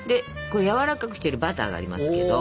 やわらかくしてるバターがありますけど。